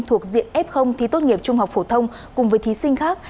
thuộc diện f thi tốt nghiệp trung học phổ thông cùng với thí sinh khác